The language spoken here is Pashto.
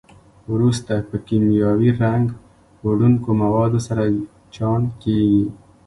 وروسته په کیمیاوي رنګ وړونکو موادو سره چاڼ کېږي.